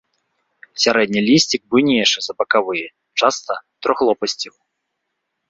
Сярэдні лісцік буйнейшы за бакавыя, часта трохлопасцевы.